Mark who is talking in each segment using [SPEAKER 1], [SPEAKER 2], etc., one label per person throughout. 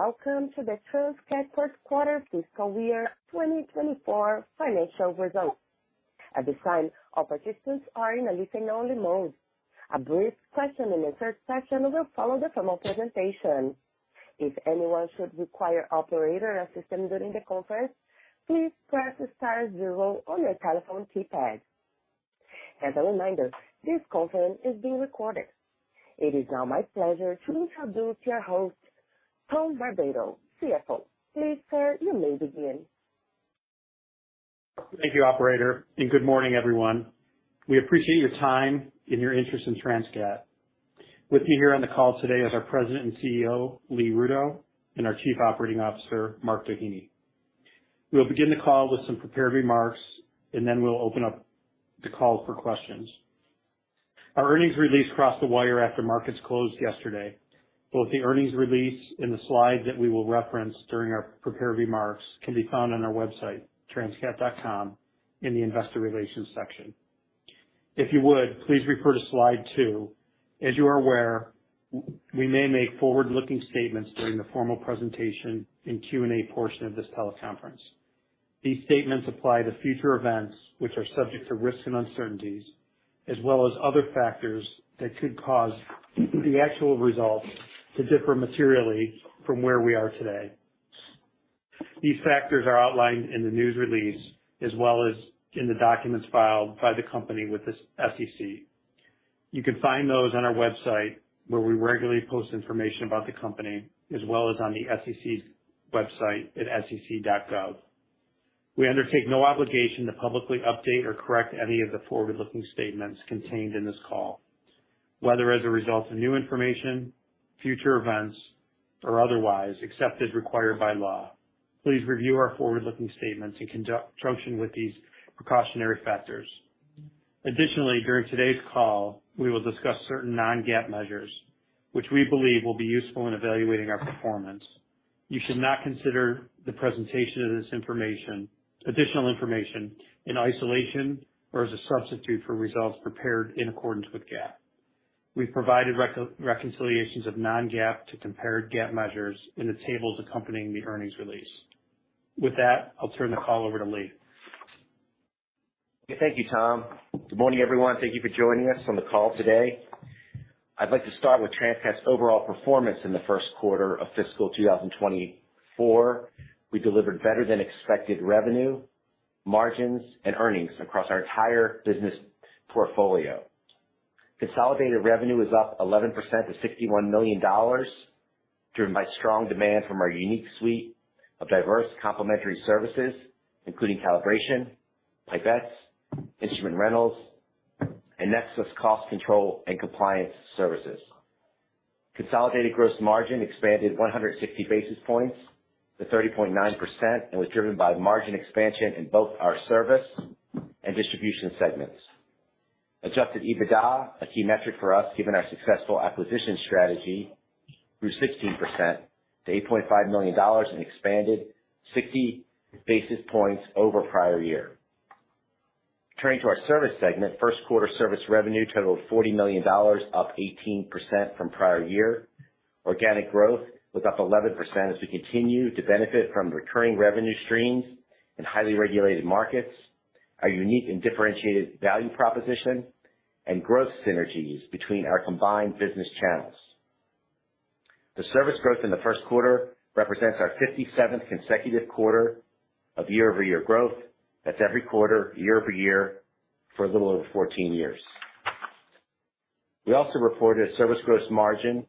[SPEAKER 1] Greetings, and welcome to the Transcat Q1 fiscal year 2024 financial results. At this time, all participants are in a listen-only mode. A brief question and answer session will follow the formal presentation. If anyone should require operator assistance during the conference, please press star zero on your telephone keypad. As a reminder, this conference is being recorded. It is now my pleasure to introduce your host, Tom Barbato, CFO. Please, sir, you may begin.
[SPEAKER 2] Thank you, operator, and good morning, everyone. We appreciate your time and your interest in Transcat. With me here on the call today is our President and CEO, Lee Rudow, and our Chief Operating Officer, Mark Doheny. We'll begin the call with some prepared remarks, and then we'll open up the call for questions. Our earnings release crossed the wire after markets closed yesterday. Both the earnings release and the slide that we will reference during our prepared remarks can be found on our website, transcat.com, in the Investor Relations section. If you would, please refer to slide 2. As you are aware, we may make forward-looking statements during the formal presentation and Q&A portion of this teleconference. These statements apply to future events, which are subject to risks and uncertainties, as well as other factors that could cause the actual results to differ materially from where we are today. These factors are outlined in the news release as well as in the documents filed by the company with the SEC. You can find those on our website, where we regularly post information about the company, as well as on the SEC's website at sec.gov. We undertake no obligation to publicly update or correct any of the forward-looking statements contained in this call, whether as a result of new information, future events, or otherwise, except as required by law. Please review our forward-looking statements in junction with these precautionary factors. Additionally, during today's call, we will discuss certain non-GAAP measures, which we believe will be useful in evaluating our performance. You should not consider the presentation of this information, additional information, in isolation or as a substitute for results prepared in accordance with GAAP. We've provided reconciliations of non-GAAP to compared GAAP measures in the tables accompanying the earnings release. With that, I'll turn the call over to Lee.
[SPEAKER 3] Thank you, Tom. Good morning, everyone. Thank you for joining us on the call today. I'd like to start with Transcat's overall performance in the Q1 of fiscal 2024. We delivered better than expected revenue, margins, and earnings across our entire business portfolio. Consolidated revenue was up 11% to $61 million, driven by strong demand from our unique suite of diverse complementary services, including calibration, pipettes, instrument rentals, and NEXA cost control and compliance services. Consolidated gross margin expanded 160 basis points to 30.9% and was driven by margin expansion in both our service and distribution segments. Adjusted EBITDA, a key metric for us, given our successful acquisition strategy, grew 16% to $8.5 million and expanded 60 basis points over prior year. Turning to our service segment, Q1 service revenue totaled $40 million, up 18% from prior year. Organic growth was up 11% as we continue to benefit from recurring revenue streams in highly regulated markets, our unique and differentiated value proposition, and growth synergies between our combined business channels. The service growth in the Q1 represents our 57th consecutive quarter of year-over-year growth. That's every quarter, year-over-year, for a little over 14 years. We also reported a service gross margin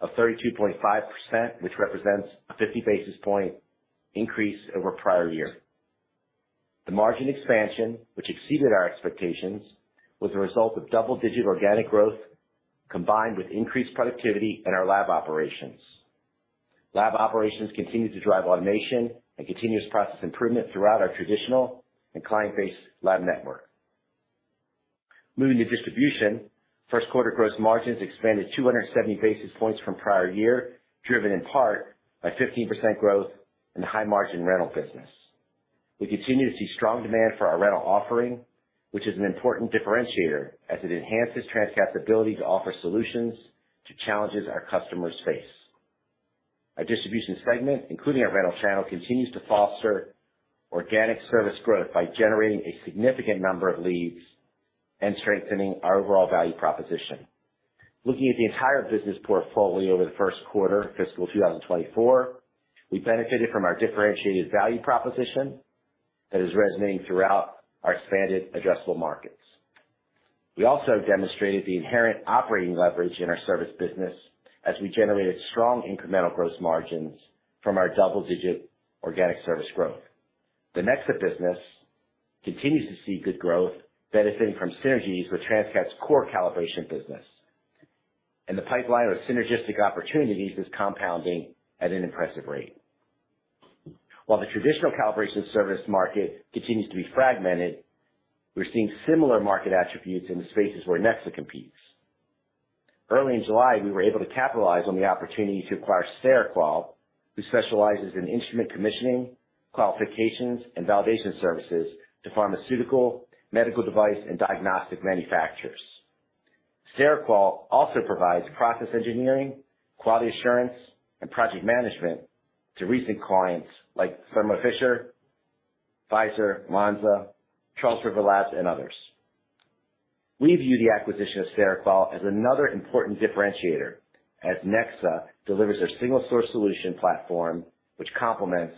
[SPEAKER 3] of 32.5%, which represents a 50 bps increase over prior year. The margin expansion, which exceeded our expectations, was a result of double-digit organic growth combined with increased productivity in our lab operations. Lab operations continued to drive automation and continuous process improvement throughout our traditional and client-based lab network. Moving to distribution, Q1 gross margins expanded 270 basis points from prior year, driven in part by 15% growth in the high-margin rental business. We continue to see strong demand for our rental offering, which is an important differentiator as it enhances Transcat's ability to offer solutions to challenges our customers face. Our distribution segment, including our rental channel, continues to foster organic service growth by generating a significant number of leads and strengthening our overall value proposition. Looking at the entire business portfolio over the Q1 of fiscal 2024, we benefited from our differentiated value proposition that is resonating throughout our expanded addressable markets. We also demonstrated the inherent operating leverage in our service business as we generated strong incremental gross margins from our double-digit organic service growth. The NEXA business continues to see good growth, benefiting from synergies with Transcat's core calibration business, and the pipeline of synergistic opportunities is compounding at an impressive rate. While the traditional calibration service market continues to be fragmented, we're seeing similar market attributes in the spaces where NEXA competes. Early in July, we were able to capitalize on the opportunity to acquire SteriQual who specializes in instrument commissioning, qualifications, and validation services to pharmaceutical, medical device, and diagnostic manufacturers. SteriQual also provides process engineering, quality assurance, and project management to recent clients like Thermo Fisher, Pfizer, Lonza, Charles River Labs, and others. We view the acquisition of SteriQual as another important differentiator, as NEXA delivers a single-source solution platform, which complements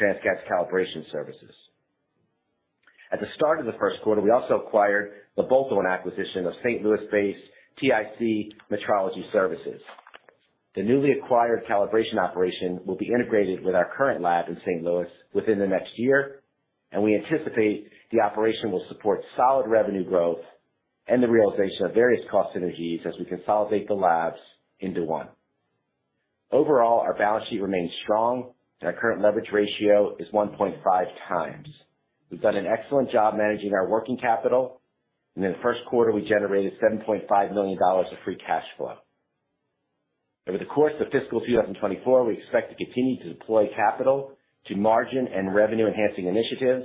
[SPEAKER 3] Transcat's calibration services. At the start of the Q1, we also acquired the bulk of an acquisition of St. Louis-based TIC Metrology Services. The newly acquired calibration operation will be integrated with our current lab in St. Louis within the next year, and we anticipate the operation will support solid revenue growth and the realization of various cost synergies as we consolidate the labs into 1. Overall, our balance sheet remains strong, and our current leverage ratio is 1.5 times. We've done an excellent job managing our working capital, and in the Q1, we generated $7.5 million of free cash flow. Over the course of fiscal 2024, we expect to continue to deploy capital to margin and revenue-enhancing initiatives,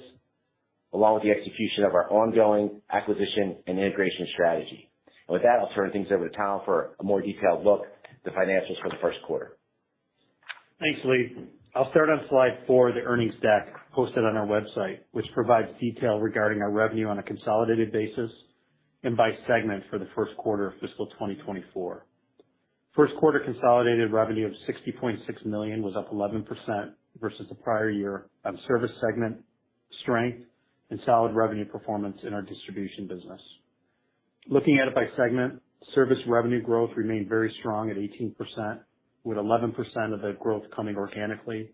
[SPEAKER 3] along with the execution of our ongoing acquisition and integration strategy. With that, I'll turn things over to Tom for a more detailed look at the financials for the Q1.
[SPEAKER 2] Thanks, Lee. I'll start on slide 4 of the earnings deck posted on our website, which provides detail regarding our revenue on a consolidated basis and by segment for the Q1 of fiscal 2024. Q1 consolidated revenue of $60.6 million was up 11% versus the prior year on service segment strength and solid revenue performance in our distribution business. Looking at it by segment, service revenue growth remained very strong at 18%, with 11% of the growth coming organically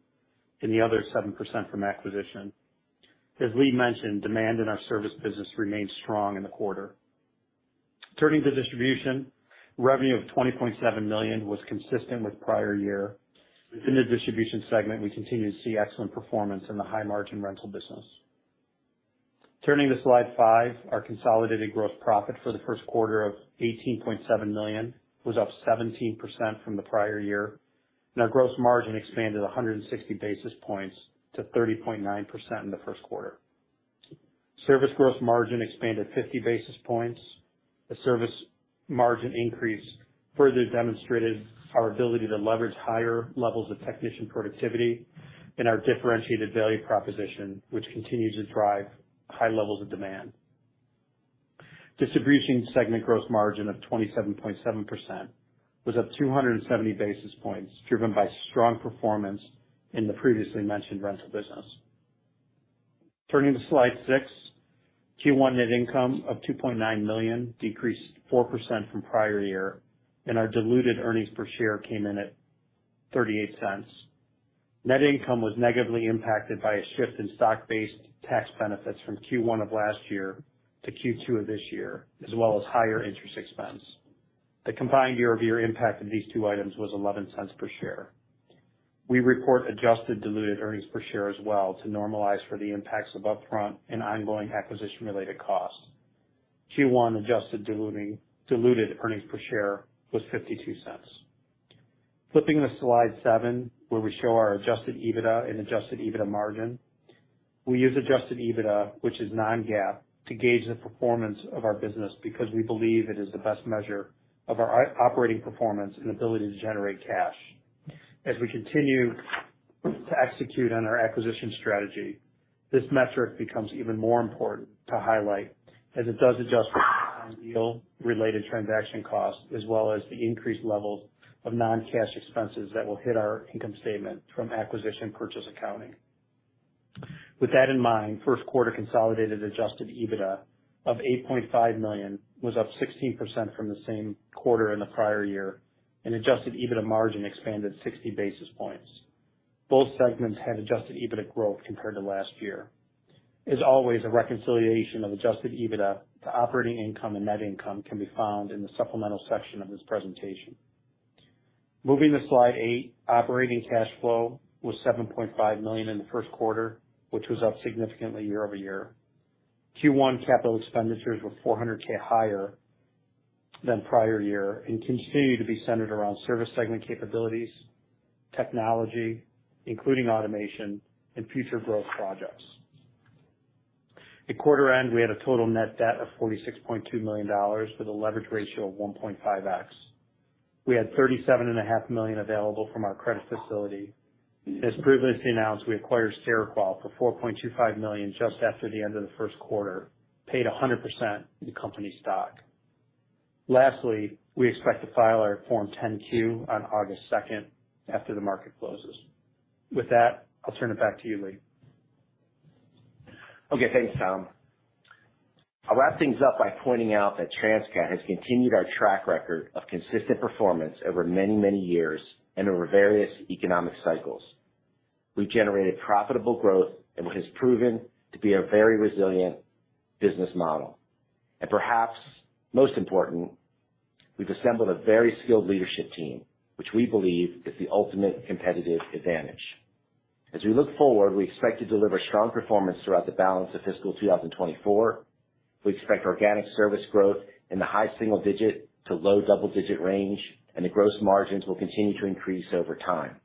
[SPEAKER 2] and the other 7% from acquisition. As Lee mentioned, demand in our service business remained strong in the quarter. Turning to distribution, revenue of $20.7 million was consistent with prior year. Within the distribution segment, we continue to see excellent performance in the high-margin rental business. Turning to slide 5, our consolidated growth profit for the Q1 of $18.7 million was up 17% from the prior year, and our gross margin expanded 160 basis points to 30.9% in the Q1. Service growth margin expanded 50 basis points. The service margin increase further demonstrated our ability to leverage higher levels of technician productivity and our differentiated value proposition, which continues to drive high levels of demand. Distribution segment gross margin of 27.7% was up 270 basis points, driven by strong performance in the previously mentioned rental business. Turning to slide 6, Q1 net income of $2.9 million decreased 4% from prior year, and our diluted earnings per share came in at $0.38. Net income was negatively impacted by a shift in stock-based tax benefits from Q1 of last year to Q2 of this year, as well as higher interest expense. The combined year-over-year impact of these two items was $0.11 per share. We report adjusted diluted earnings per share as well to normalize for the impacts of upfront and ongoing acquisition-related costs. Q1 adjusted diluted earnings per share was $0.52. Flipping to slide 7, where we show our adjusted EBITDA and adjusted EBITDA margin. We use adjusted EBITDA, which is non-GAAP, to gauge the performance of our business because we believe it is the best measure of our operating performance and ability to generate cash. As we continue to execute on our acquisition strategy, this metric becomes even more important to highlight as it does adjust deal-related transaction costs, as well as the increased levels of non-cash expenses that will hit our income statement from acquisition purchase accounting. With that in mind, Q1 consolidated Adjusted EBITDA of $8.5 million was up 16% from the same quarter in the prior year, and Adjusted EBITDA margin expanded 60 basis points. Both segments had Adjusted EBITDA growth compared to last year. As always, a reconciliation of Adjusted EBITDA to operating income and net income can be found in the supplemental section of this presentation. Moving to slide 8, operating cash flow was $7.5 million in the Q1, which was up significantly year-over-year. Q1 capital expenditures were $400K higher than prior year and continue to be centered around service segment capabilities, technology, including automation and future growth projects. At quarter end, we had a total net debt of $46.2 million, with a leverage ratio of 1.5x. We had $37.5 million available from our credit facility. As previously announced, we acquired SteriQual for $4.25 million just after the end of the Q1, paid 100% in company stock. Lastly, we expect to file our Form 10-Q on August 2nd, after the market closes. With that, I'll turn it back to you, Lee.
[SPEAKER 3] Okay. Thanks, Tom. I'll wrap things up by pointing out that Transcat has continued our track record of consistent performance over many, many years and over various economic cycles. We've generated profitable growth in what has proven to be a very resilient business model. Perhaps most important, we've assembled a very skilled leadership team, which we believe is the ultimate competitive advantage. As we look forward, we expect to deliver strong performance throughout the balance of fiscal 2024. We expect organic service growth in the high single-digit to low double-digit range, the gross margins will continue to increase over time.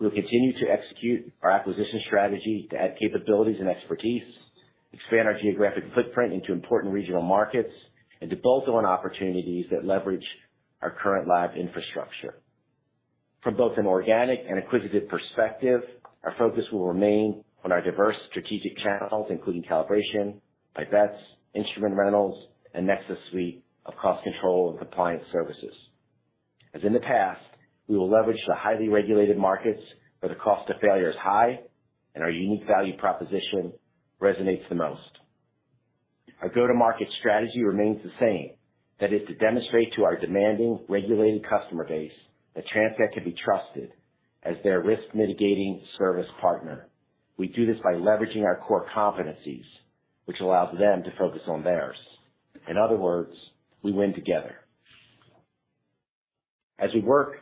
[SPEAKER 3] We'll continue to execute our acquisition strategy to add capabilities and expertise, expand our geographic footprint into important regional markets, and to bolt on opportunities that leverage our current lab infrastructure. From both an organic and acquisitive perspective, our focus will remain on our diverse strategic channels, including calibration, pipettes, instrument rentals, and NEXA suite of cost control and compliance services. As in the past, we will leverage the highly regulated markets where the cost of failure is high and our unique value proposition resonates the most. Our go-to-market strategy remains the same, that is to demonstrate to our demanding regulated customer base that Transcat can be trusted as their risk mitigating service partner. We do this by leveraging our core competencies, which allows them to focus on theirs. In other words, we win together. As we work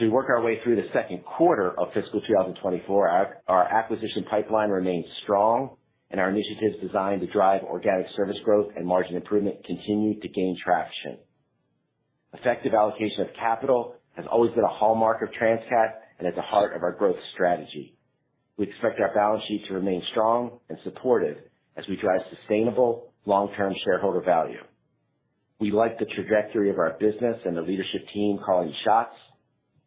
[SPEAKER 3] our way through the Q2 of fiscal 2024, our acquisition pipeline remains strong, and our initiatives designed to drive organic service growth and margin improvement continue to gain traction. Effective allocation of capital has always been a hallmark of Transcat and at the heart of our growth strategy. We expect our balance sheet to remain strong and supportive as we drive sustainable long-term shareholder value. We like the trajectory of our business and the leadership team calling the shots.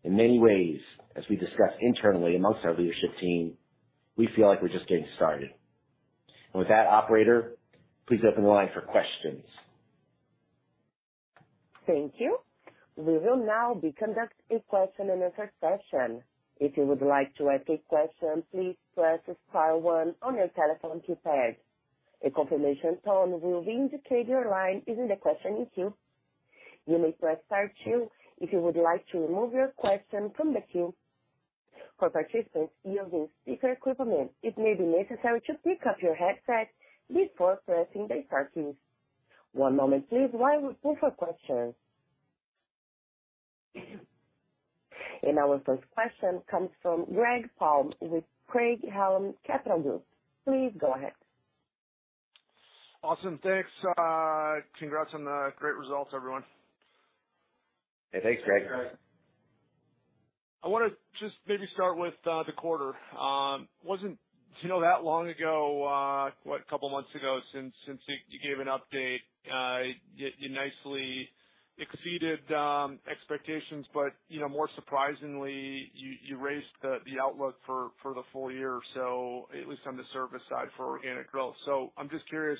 [SPEAKER 3] In many ways, as we discuss internally amongst our leadership team, we feel like we're just getting started. With that, operator, please open the line for questions.
[SPEAKER 1] Thank you. We will now be conducting a question-and-answer session. If you would like to ask a question, please press star one on your telephone keypad. A confirmation tone will indicate your line is in the question queue. You may press star two if you would like to remove your question from the queue. For participants using speaker equipment, it may be necessary to pick up your headset before pressing the star key. One moment please, while we wait for questions. Our first question comes from Greg Palm with Craig-Hallum Capital Group. Please go ahead.
[SPEAKER 4] Awesome. Thanks. congrats on the great results, everyone.
[SPEAKER 3] Hey, thanks, Greg.
[SPEAKER 4] I wanna just maybe start with the quarter. Wasn't, that long ago, what, 2 months ago, since, since you, you gave an update, you nicely exceeded expectations. more surprisingly, you, you raised the outlook for the full year. At least on the service side, for organic growth. I'm just curious,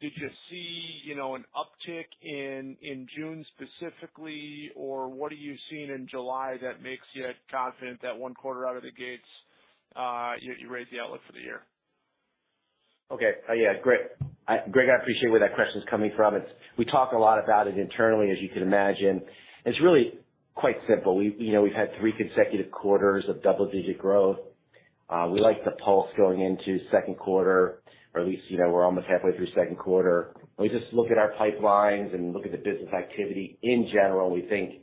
[SPEAKER 4] did you see, an uptick in June specifically, or what are you seeing in July that makes you confident that 1 quarter out of the gates, you, you raised the outlook for the year?
[SPEAKER 3] Okay. Yeah, Greg, Greg, I appreciate where that question is coming from. It's. We talk a lot about it internally, as you can imagine, it's really quite simple. We've had three consecutive quarters of double-digit growth. We like the pulse going into Q2, or at least, we're almost halfway through Q2. We just look at our pipelines and look at the business activity in general. We think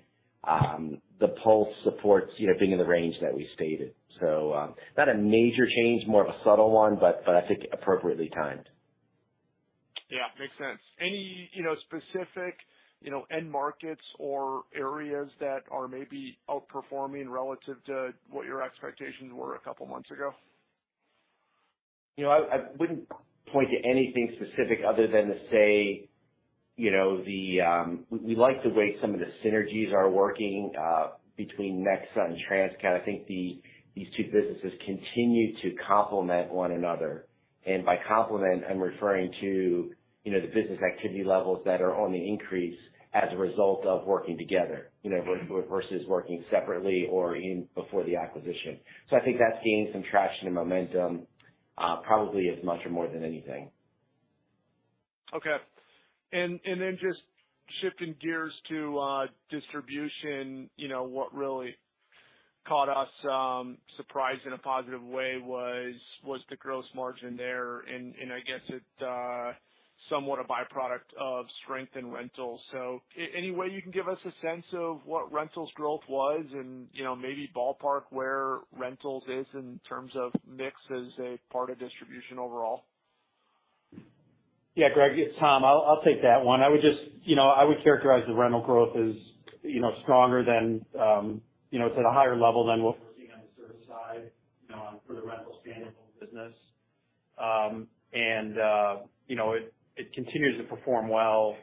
[SPEAKER 3] the pulse supports, being in the range that we stated. Not a major change, more of a subtle one, but I think appropriately timed.
[SPEAKER 4] Yeah, makes sense. Any, specific, end markets or areas that are maybe outperforming relative to what your expectations were a couple months ago?
[SPEAKER 3] I, I wouldn't point to anything specific other than to say, we, we like the way some of the synergies are working, between NEXA and Transcat. I think these two businesses continue to complement one another, and by complement, I'm referring to, the business activity levels that are on the increase as a result of working together, work- versus working separately or in before the acquisition. I think that's gained some traction and momentum, probably as much or more than anything.
[SPEAKER 4] Okay. Then just shifting gears to distribution, what really caught us surprised in a positive way was, was the gross margin there. I guess it, somewhat a byproduct of strength in rentals. Any way you can give us a sense of what rentals growth was and, maybe ballpark, where rentals is in terms of mix as a part of distribution overall?
[SPEAKER 2] Yeah, Greg, it's Tom. I'll, I'll take that one. I would just, I would characterize the rental growth as, stronger than, it's at a higher level than what we're seeing on the service side, on for the rental standalone business. it, it continues to perform well,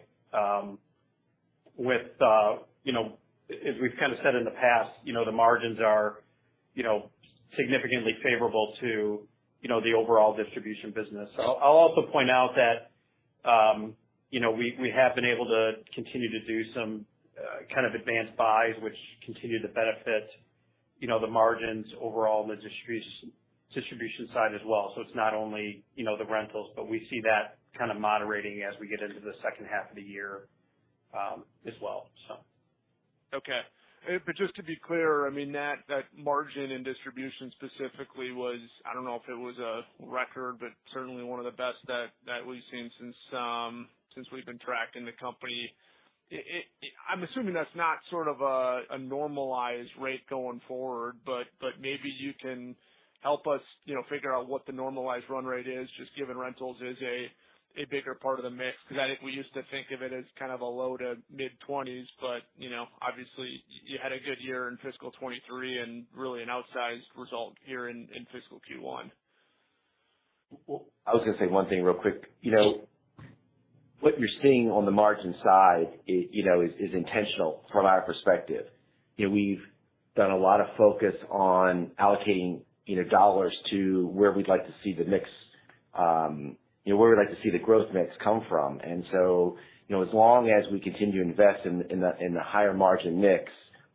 [SPEAKER 2] with, as we've said in the past, the margins are, significantly favorable to, the overall distribution business. I'll, I'll also point out that, we, we have been able to continue to do some, advance buys, which continue to benefit, the margins overall on the distribution side as well. It's not only, the rentals, but we see that moderating as we get into the second half of the year, as well, so.
[SPEAKER 4] Okay. But just to be clear, I mean, that, that margin in distribution specifically was I don't know if it was a record, but certainly one of the best that, that we've seen since, since we've been tracking the company. I'm assuming that's not sort of a, a normalized rate going forward, but, but maybe you can help us, figure out what the normalized run rate is, just given rentals is a, a bigger part of the mix. I think we used to think of it as a low-to-mid 20s, but, obviously you had a good year in fiscal 2023 and really an outsized result here in, in fiscal Q1.
[SPEAKER 3] Well, I was gonna say one thing real quick. what you're seeing on the margin side is, is, is intentional from our perspective. we've done a lot of focus on allocating, dollars to where we'd like to see the mix, where we'd like to see the growth mix come from. So, as long as we continue to invest in the, in the, in the higher margin mix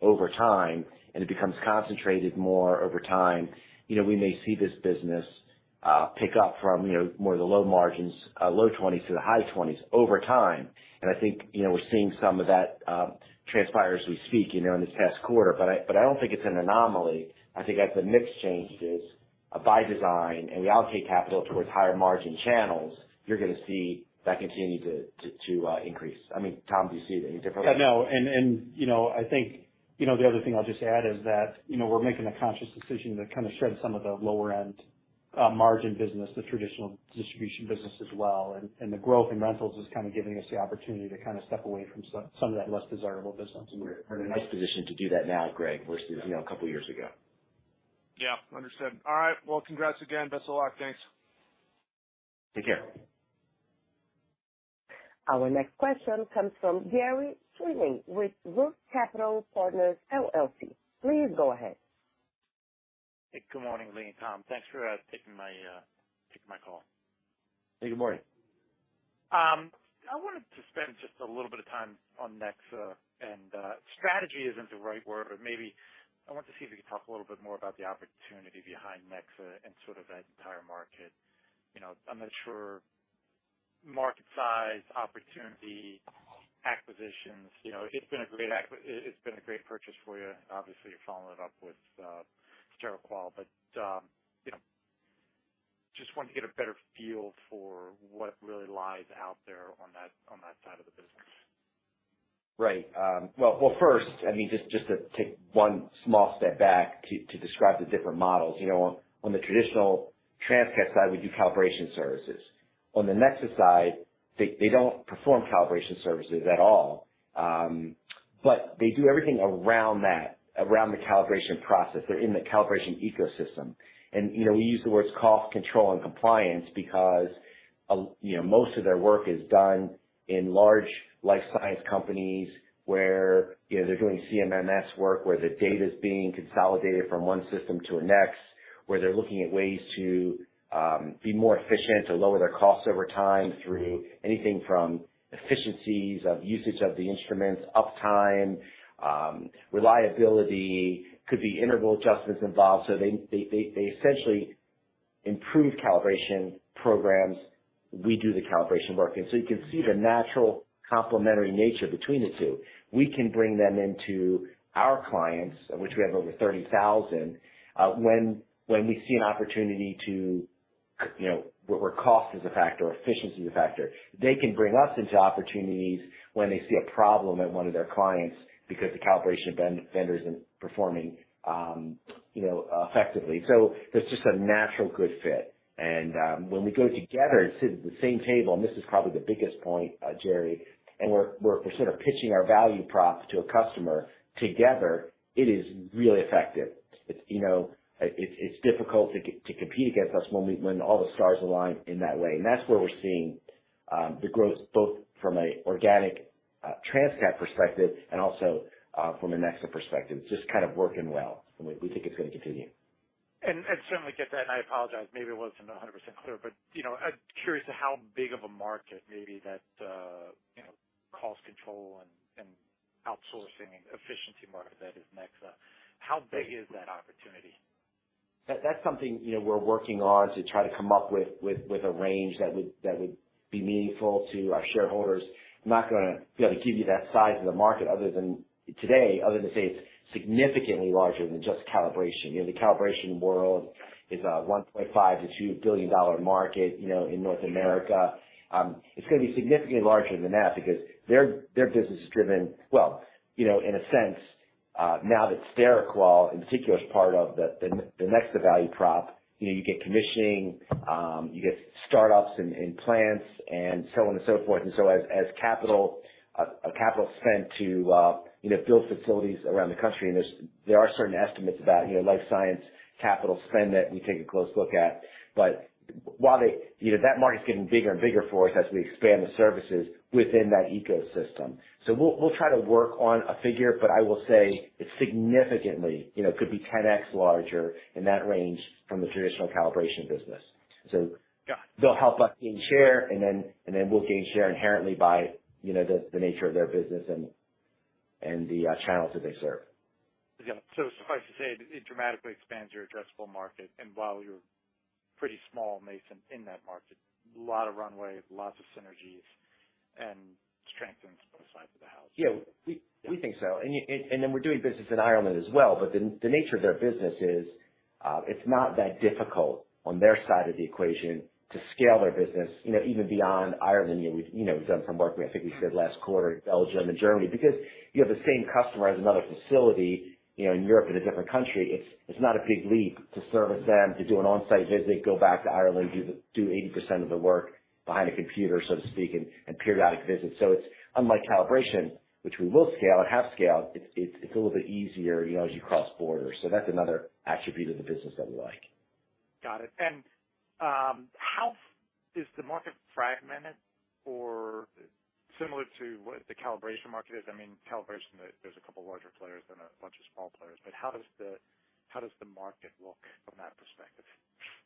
[SPEAKER 3] over time, and it becomes concentrated more over time, we may see this business pick up from, more of the low margins, low twenties to the high twenties over time. I think, we're seeing some of that transpire as we speak, in this past quarter. I don't think it's an anomaly. I think as the mix changes, by design and we allocate capital towards higher margin channels, you're gonna see that continue to increase. I mean, Tom, do you see it any differently?
[SPEAKER 2] No, I think, the other thing I'll just add is that, we're making a conscious decision to shed some of the lower end, margin business, the traditional distribution business as well. The growth in rentals is giving us the opportunity to step away from some, some of that less desirable business.
[SPEAKER 3] We're in a nice position to do that now, Greg, versus, a couple years ago.
[SPEAKER 4] Yeah. Understood. All right, well, congrats again. Best of luck. Thanks.
[SPEAKER 3] Take care.
[SPEAKER 1] Our next question comes from Gerry Sweeney with Roth Capital Partners, LLC. Please go ahead.
[SPEAKER 5] Hey, good morning, Lee and Tom. Thanks for taking my call.
[SPEAKER 3] Hey, good morning.
[SPEAKER 5] I wanted to spend just a little bit of time on NEXA, and strategy isn't the right word, but maybe I want to see if you could talk a little bit more about the opportunity behind NEXA and sort of that entire market. I'm not sure, market size, opportunity, acquisitions, it's been a great it's been a great purchase for you. Obviously, you're following it up with SteriQual, but, just wanted to get a better feel for what really lies out there on that, on that side of the business.
[SPEAKER 3] Right. Well, well, first, I mean, just, just to take one small step back to describe the different models. on the traditional Transcat side, we do calibration services. On the NEXA side, they don't perform calibration services at all, but they do everything around that, around the calibration process. They're in the calibration ecosystem. we use the words cost, control, and compliance because most of their work is done in large life science companies, where, they're doing CMMS work, where the data is being consolidated from one system to the next, where they're looking at ways to be more efficient to lower their costs over time, through anything from efficiencies of usage of the instruments, uptime, reliability, could be interval adjustments involved. They essentially improve calibration programs. We do the calibration work, so you can see the natural complementary nature between the two. We can bring them into our clients, of which we have over 30,000, when we see an opportunity to, where cost is a factor or efficiency is a factor. They can bring us into opportunities when they see a problem at one of their clients because the calibration vendor isn't performing, effectively. There's just a natural good fit. When we go together and sit at the same table, and this is probably the biggest point, Gerry, and we're, we're, we're sort of pitching our value props to a customer together, it is really effective. It's, it's difficult to compete against us when we, when all the stars align in that way. That's where we're seeing the growth, both from an organic Transcat perspective and also from a NEXA perspective. It's just working well, and we think it's going to continue.
[SPEAKER 5] Certainly get that. I apologize, maybe it wasn't 100% clear, but, I'm curious to how big of a market maybe that, cost control and outsourcing and efficiency market that is NEXA. How big is that opportunity?
[SPEAKER 3] That, that's something, we're working on to try to come up with, with, with a range that would, that would be meaningful to our shareholders. I'm not gonna be able to give you that size of the market other than -- today, other than to say it's significantly larger than just calibration. the calibration world is a $1.5 billion-$2 billion market, in North America. It's gonna be significantly larger than that because their, their business is driven -- well, in a sense, now that SteriQual in particular is part of the, the, the NEXA value prop, you get commissioning, you get startups in, in plants and so on and so forth. So as, as capital, a capital spend to, build facilities around the country, and there's, there are certain estimates about, life science, capital spend that we take a close look at. While they, that market's getting bigger and bigger for us as we expand the services within that ecosystem. We'll, we'll try to work on a figure, but I will say it's significantly, could be 10x larger in that range from the traditional calibration business. They'll help us gain share and then, and then we'll gain share inherently by, the, the nature of their business and, and the channels that they serve.
[SPEAKER 5] Yeah. Suffice to say, it dramatically expands your addressable market. While you're pretty small, Mason, in that market, a lot of runway, lots of synergies and strengthens both sides of the house.
[SPEAKER 3] Yeah, we, we think so. And, and then we're doing business in Ireland as well, but the, the nature of their business is. It's not that difficult on their side of the equation to scale their business, even beyond Ireland. we've, we've done some work, I think we said last quarter, in Belgium and Germany, because you have the same customer as another facility, in Europe, in a different country. It's, it's not a big leap to service them, to do an on-site visit, go back to Ireland, do 80% of the work behind a computer, so to speak, and, and periodic visits. It's unlike calibration, which we will scale and have scaled, it's a little bit easier, as you cross borders. That's another attribute of the business that we like.
[SPEAKER 5] Got it. Is the market fragmented or similar to what the calibration market is? I mean, calibration, there, there's a couple larger players and a bunch of small players, but how does the market look from that perspective?
[SPEAKER 3] Well,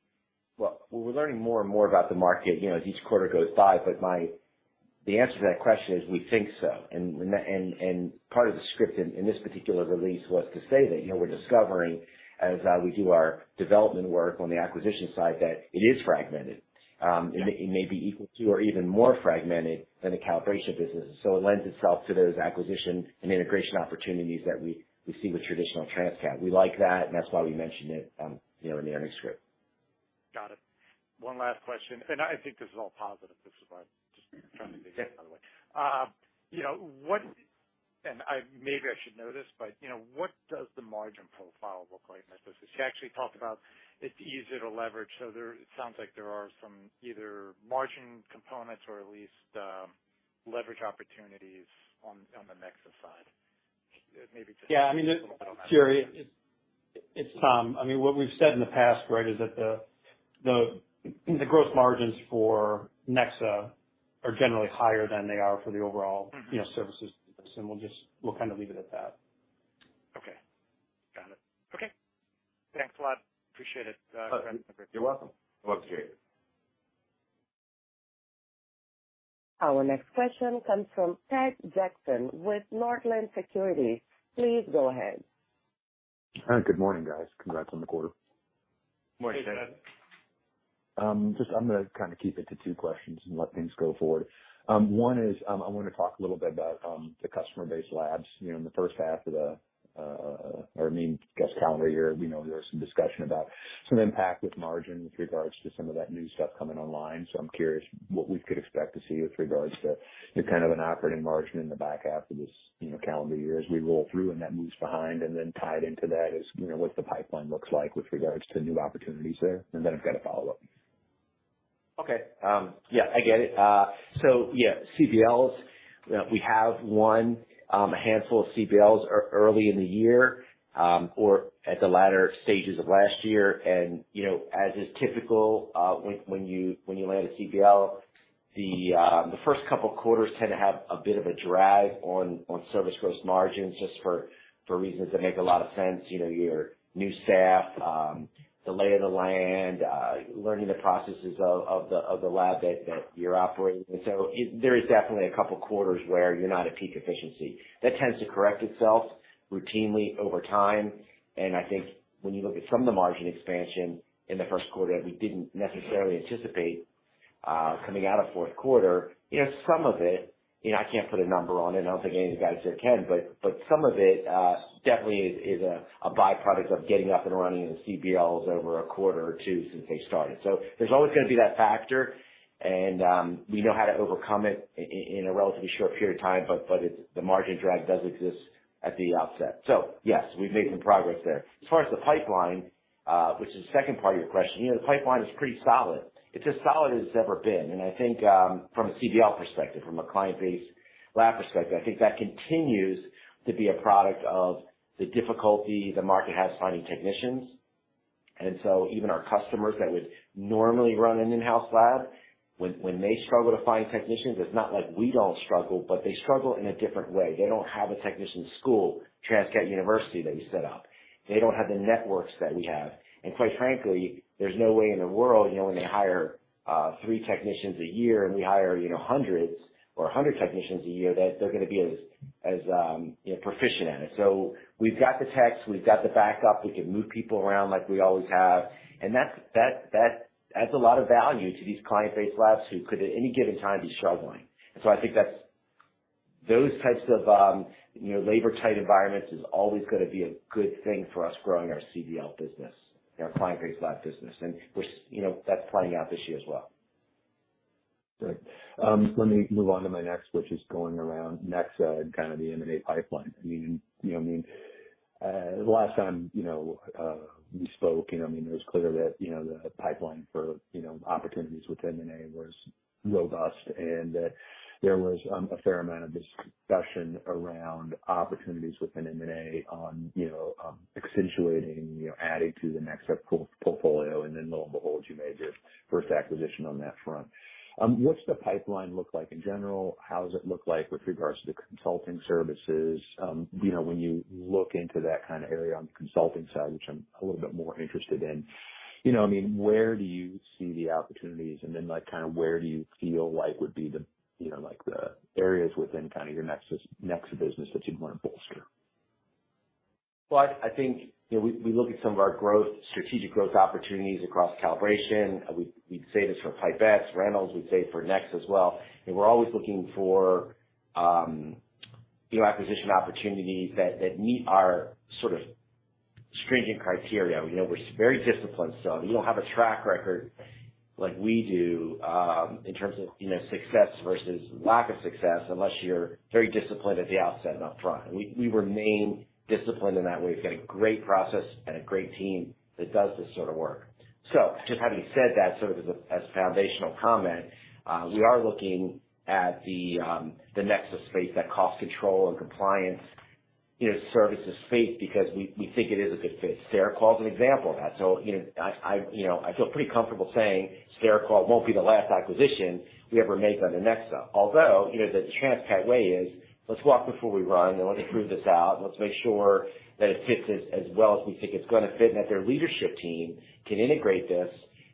[SPEAKER 3] well, we're learning more and more about the market, as each quarter goes by. The answer to that question is we think so. Part of the script in, in this particular release was to say that, we're discovering, as we do our development work on the acquisition side, that it is fragmented. It may be equal to or even more fragmented than the calibration business. It lends itself to those acquisition and integration opportunities that we, we see with traditional Transcat. We like that, that's why we mentioned it, in the earnings script.
[SPEAKER 5] Got it. One last question. I think this is all positive. This is why I'm just trying to be-
[SPEAKER 3] Yeah.
[SPEAKER 5] by the way. what, and I, maybe I should know this, but, what does the margin profile look like in this business? You actually talked about it's easier to leverage. There -- it sounds like there are some either margin components or at least leverage opportunities on, on the NEXA side. Maybe. Yeah, I mean, Gerry, it's, I mean, what we've said in the past, right, is that the, the, the gross margins for NEXA are generally higher than they are for the overall services. We'll just, we'll leave it at that. Okay. Got it. Okay. Thanks a lot. Appreciate it, Brent.
[SPEAKER 3] You're welcome. Well, appreciate it.
[SPEAKER 1] Our next question comes from Ted Jackson with Northland Securities. Please go ahead.
[SPEAKER 6] Hi, good morning, guys. Congrats on the quarter.
[SPEAKER 3] Morning, Ted.
[SPEAKER 6] Just I'm gonna keep it to two questions and let things go forward. One is, I want to talk a little bit about the client-based labs. in the first half of the, guess calendar year, we know there was some discussion about some impact with margin with regards to some of that new stuff coming online. I'm curious what we could expect to see with regards to, to an operating margin in the back half of this, calendar year as we roll through and that moves behind. Then tied into that is, what the pipeline looks like with regards to the new opportunities there. Then I've got a follow-up.
[SPEAKER 3] Okay. Yeah, I get it. Yeah, CBLs, we have one, a handful of CBLs early in the year, or at the latter stages of last year. as is typical, when you land a CBL, the first couple of quarters tend to have a bit of a drag on service gross margins just for reasons that make a lot of sense. your new staff, the lay of the land, learning the processes of the lab that you're operating. There is definitely a couple quarters where you're not at peak efficiency. That tends to correct itself routinely over time. I think when you look at some of the margin expansion in the 1st quarter, we didn't necessarily anticipate coming out of 4th quarter. some of it, I can't put a number on it, and I don't think any of the guys here can, but some of it definitely is a byproduct of getting up and running in the CBLs over one quarter or two since they started. There's always gonna be that factor, and we know how to overcome it in a relatively short period of time, but the margin drag does exist at the outset. Yes, we've made some progress there. As far as the pipeline, which is the 2nd part of your question, the pipeline is pretty solid. It's as solid as it's ever been, and I think, from a CBL perspective, from a client-based lab perspective, I think that continues to be a product of the difficulty the market has finding technicians. Even our customers that would normally run an in-house lab, when, when they struggle to find technicians, it's not like we don't struggle, but they struggle in a different way. They don't have a technician school, Transcat University, that you set up. They don't have the networks that we have. Quite frankly, there's no way in the world, when they hire, 3 technicians a year, and we hire, hundreds or 100 technicians a year, that they're gonna be as, as, proficient at it. We've got the techs, we've got the backup. We can move people around like we always have. That's, that, that adds a lot of value to these client-based labs who could, at any given time, be struggling. I think that's, those types of, labor-tight environments is always gonna be a good thing for us growing our CBL business, our client-based lab business. We're that's playing out this year as well.
[SPEAKER 6] Great. let me move on to my next, which is going around NEXA and the M&A pipeline. I mean, you know what I mean, the last time, we spoke, I mean, it was clear that, the pipeline for, opportunities with M&A was robust and that there was a fair amount of discussion around opportunities within M&A on, accentuating, adding to the NEXA portfolio. Then lo and behold, you made your first acquisition on that front. What's the pipeline look like in general? How does it look like with regards to the consulting services? when you look into that area on the consulting side, which I'm a little bit more interested in, I mean, where do you see the opportunities, and then, like, where do you feel like would be the, like the areas within your NEXA business that you'd want to bolster?
[SPEAKER 3] Well, I think, we, we look at some of our growth, strategic growth opportunities across calibration. We, we'd say this for Pipettes, rentals, we'd say for NEXA as well, and we're always looking for, acquisition opportunities that, that meet our sort of stringent criteria. we're very disciplined, so if you don't have a track record like we do, in terms of, success versus lack of success, unless you're very disciplined at the outset and up front. We, we remain disciplined in that way. We've got a great process and a great team that does this sort of work. Just having said that, sort of, as a, as a foundational comment, we are looking at the NEXA space, that cost control and compliance, services space, because we, we think it is a good fit. SteriQual is an example of that. I feel pretty comfortable saying SteriQual won't be the last acquisition we ever make on the Nexa. the Transcat way is: Let's walk before we run, and let's prove this out. Let's make sure that it fits as well as we think it's gonna fit, and that their leadership team can integrate this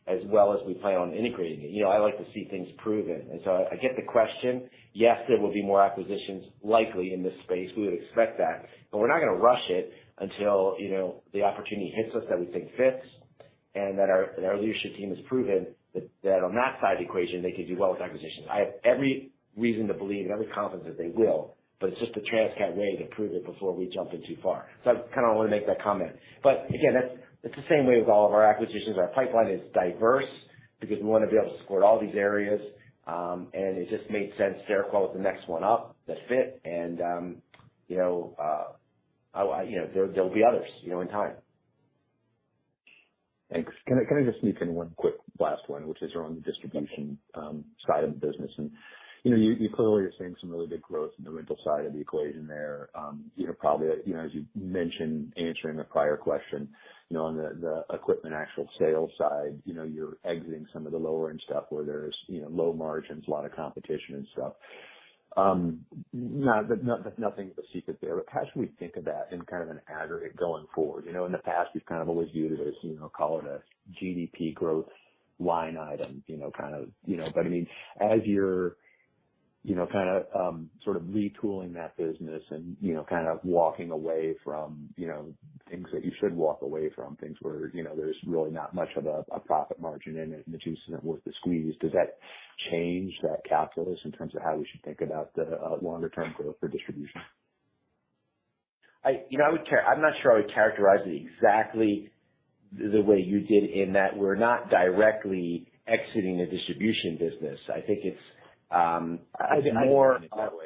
[SPEAKER 3] as well as we plan on integrating it. I like to see things proven, and so I get the question. Yes, there will be more acquisitions likely in this space. We would expect that, we're not gonna rush it until, the opportunity hits us that we think fits and that our leadership team has proven that on that side of the equation, they can do well with acquisitions. I have every reason to believe and every confidence that they will, but it's just the Transcat way to prove it before we jump in too far. I want to make that comment. Again, it's the same way with all of our acquisitions. Our pipeline is diverse because we want to be able to support all these areas, and it just made sense. SteriQual was the next one up that fit and, there, there'll be others, in time.
[SPEAKER 6] Thanks. Can I, just sneak in one quick last one, which is around the distribution side of the business? you, you clearly are seeing some really big growth in the rental side of the equation there. probably, as you mentioned, answering a prior question, on the, the equipment actual sales side, you're exiting some of the lower end stuff where there's, low margins, a lot of competition and stuff. Not that nothing's a secret there, but how should we think of that in an aggregate going forward? in the past, you've always viewed it as, call it a GDP growth line item, I mean, as you're, sort of retooling that business and, walking away from, things that you should walk away from, things where, there's really not much of a profit margin in it and the juice isn't worth the squeeze. Does that change that calculus in terms of how we should think about the longer term growth for distribution?
[SPEAKER 3] I'm not sure I would characterize it exactly the way you did in that we're not directly exiting the distribution business. I think it's, it's more.
[SPEAKER 6] I think in that way.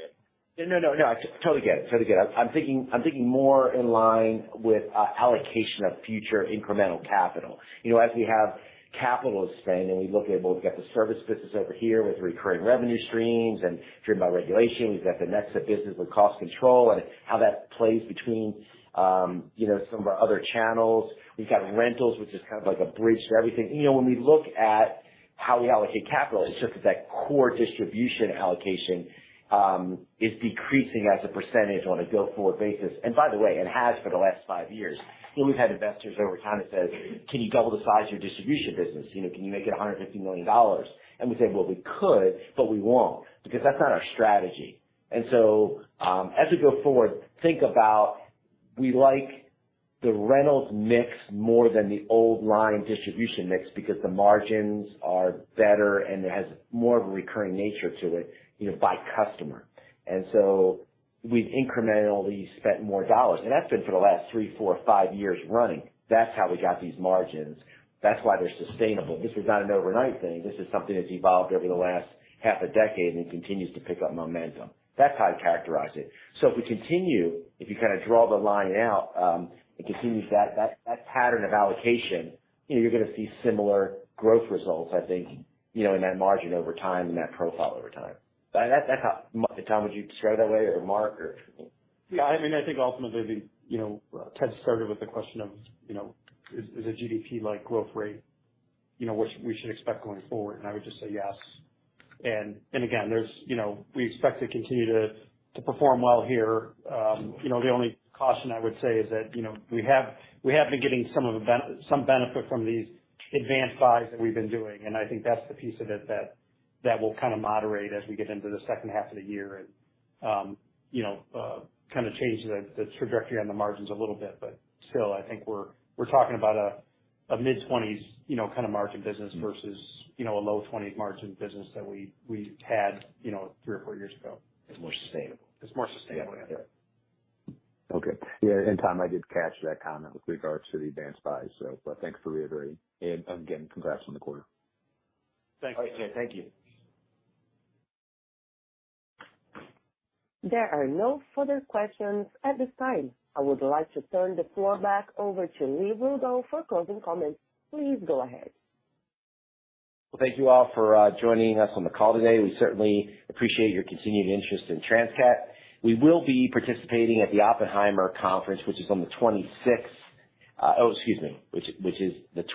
[SPEAKER 3] No, no, no, I totally get it. Totally get it. I'm thinking, I'm thinking more in line with allocation of future incremental capital. as we have capital to spend, and we look at, well, we've got the service business over here with recurring revenue streams and driven by regulation. We've got the NEXA business with cost control and how that plays between, some of our other channels. We've got rentals, which is like a bridge to everything. when we look at how we allocate capital, it's just that core distribution allocation is decreasing as a % on a go-forward basis. By the way, it has for the last 5 years. we've had investors over time that says, "Can you double the size of your distribution business? can you make it $150 million?" We say, "Well, we could, but we won't, because that's not our strategy." So, as we go forward, think about we like the rentals mix more than the old line distribution mix because the margins are better, and it has more of a recurring nature to it, by customer. So we've incrementally spent more dollars, and that's been for the last 3, 4, 5 years running. That's how we got these margins. That's why they're sustainable. This is not an overnight thing. This is something that's evolved over the last half a decade and continues to pick up momentum. That's how I'd characterize it. If we continue, if you draw the line out, it continues that, that, that pattern of allocation, you're gonna see similar growth results, I think, in that margin over time and that profile over time. That's, how... Tom, would you describe it that way or Mark or?
[SPEAKER 2] Yeah, I mean, I think ultimately, Ted started with the question of, is, is a GDP-like growth rate, what we should expect going forward? I would just say yes. Again, there's, we expect to continue to, to perform well here. the only caution I would say is that, we have, we have been getting some of the some benefit from these advance buys that we've been doing. I think that's the piece of it that, that will moderate as we get into the second half of the year and, change the, the trajectory on the margins a little bit. Still, I think we're, we're talking about a, a mid-20s, margin business versus, a low 20s margin business that we, we had, 3 or 4 years ago.
[SPEAKER 3] It's more sustainable.
[SPEAKER 2] It's more sustainable. Yeah.
[SPEAKER 6] Okay. Yeah, Tom, I did catch that comment with regards to the advanced buy. Thanks for reiterating. Again, congrats on the quarter.
[SPEAKER 2] Thanks.
[SPEAKER 3] Okay. Thank you.
[SPEAKER 1] There are no further questions at this time. I would like to turn the floor back over to Lee Rudow for closing comments. Please go ahead.
[SPEAKER 3] Well, thank you all for joining us on the call today. We certainly appreciate your continued interest in Transcat. We will be participating at the Oppenheimer conference, which is the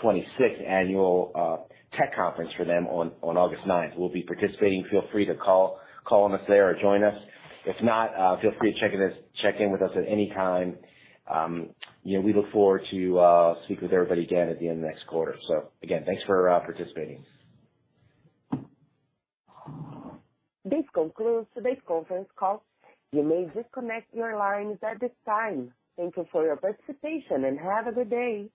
[SPEAKER 3] 26th annual tech conference for them on August 9th. We'll be participating. Feel free to call on us there or join us. If not, feel free to check in with us at any time. we look forward to speaking with everybody again at the end of next quarter. Again, thanks for participating.
[SPEAKER 1] This concludes today's conference call. You may disconnect your lines at this time. Thank you for your participation, and have a good day.